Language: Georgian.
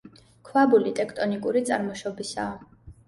ქვაბული ტექტონიკური წარმოშობისაა.